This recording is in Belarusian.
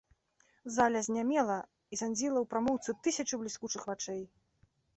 Заля знямела і занзіла ў прамоўцу тысячы бліскучых вачэй.